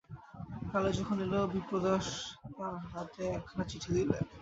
কালু যখন এল, বিপ্রদাস তার হাতে একখানা চিঠি দিলে।